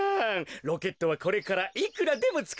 ロケットはこれからいくらでもつくれまシュ。